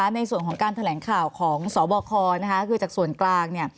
ในส่วนของการแถลงข่าวของสบคคือจากส่วนกลางเนี่ย